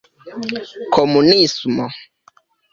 komunismo